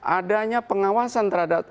adanya pengawasan terhadap